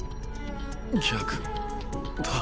逆だ。